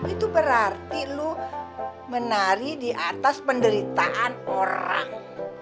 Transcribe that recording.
itu berarti lu menari diatas penderitaan orang